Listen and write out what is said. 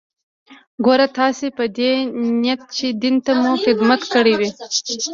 ګوره تاسې په دې نيت چې دين ته مو خدمت کړى وي.